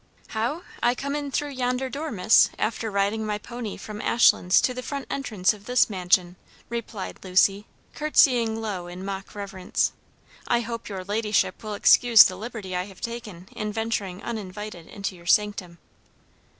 "How? I came in through yonder door, miss; after riding my pony from Ashlands to the front entrance of this mansion," replied Lucy, courtesying low in mock reverence. "I hope your ladyship will excuse the liberty I have taken in venturing uninvited into your sanctum."